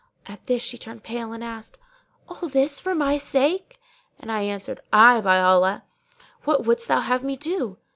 At this she turned pale and asked, 'All this for my sake?'; and I answered, 'Ay, by Allah![FN#608] what wouldst thou have me do?'